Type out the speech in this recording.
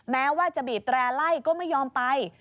แม้ว่าจะบีบแตร่ไล่ก็ไม่ยอมไป